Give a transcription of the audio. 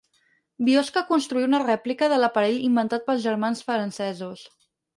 Biosca construí una rèplica de l'aparell inventat pels germans francesos.